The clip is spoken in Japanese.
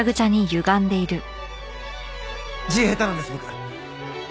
字下手なんです僕。